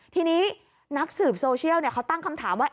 ทีนี้นักสืบโซเชียลเขาตั้งคำถามว่า